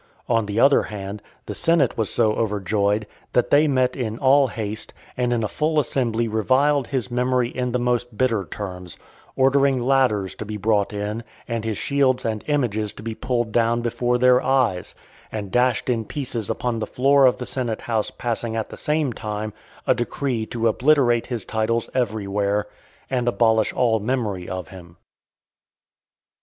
On the other hand, the senate was so overjoyed, that they met in all haste, and in a full assembly reviled his memory in the most bitter terms; ordering ladders to be brought in, and his shields and images to be pulled down before their eyes, and dashed in pieces upon the floor of the senate house passing at the same time a decree to obliterate his titles every where, and abolish all memory of him.